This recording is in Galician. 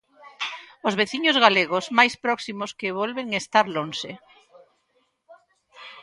Os veciños galegos máis próximos que volven estar lonxe.